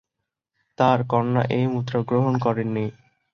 তার কন্যা এ মুদ্রা গ্রহণ করেন নি।